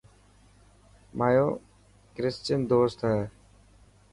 مايو ڪرسچن دوست هي.